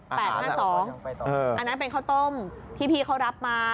อันนั้นเป็นข้าวต้มที่พี่เขารับมา